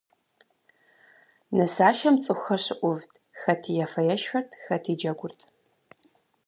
Нысашэм цӀыхур щыӀувт, хэти ефэ-ешхэрт, хэти джэгурт.